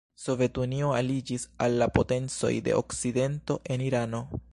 Sovetunio aliĝis al la potencoj de Okcidento en Irano.